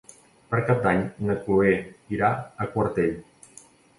Per Cap d'Any na Chloé irà a Quartell.